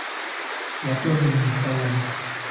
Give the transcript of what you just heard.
Я тоже не эталон.